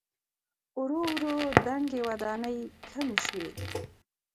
ورو ورو دنګې ودانۍ کمې شوې.